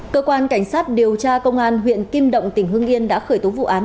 cơ quan cảnh sát điều tra công an huyện kim động tỉnh hưng yên đã khởi tố vụ án